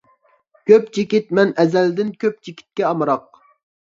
كۆپ چېكىت مەن ئەزەلدىن كۆپ چېكىتكە ئامراق.